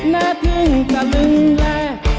แน่ทึ่งตะลึงแหลก